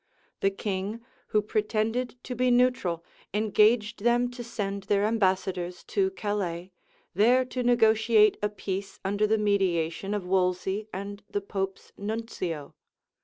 The king, who pretended to be neutral, engaged them to send their ambassadors to Calais, there to negotiate a peace under the mediation of Wolsey and the pope's nuncio.